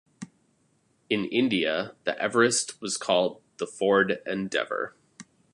In India, the Everest was called the Ford Endeavour.